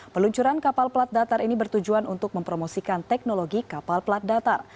peluncuran kapal plat datar ini bertujuan untuk mempromosikan teknologi kapal plat datar